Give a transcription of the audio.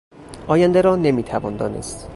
آینده را نمیتوان دانست.